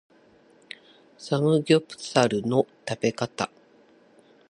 サムギョプサルの食べ方